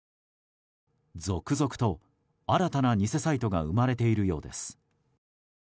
続々と新たな偽サイトが生まれているようです。